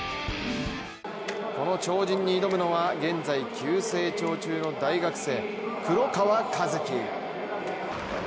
この超人に挑むのは、現在急成長中の大学生、黒川和樹。